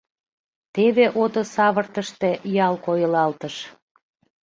Теве ото савыртыште ял койылалтыш.